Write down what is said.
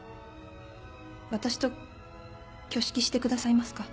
私と挙式してくださいますか？